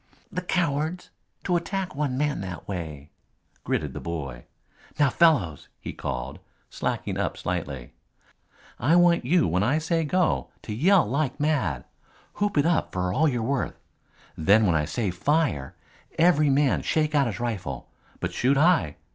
"The cowards to attack one man that way!" gritted the boy. "Now, fellows," he called, slacking up slightly, "I want you, when I say go, to yell like mad. Whoop it up for all you're worth. Then when I say fire, every man shake out his rifle, but shoot high.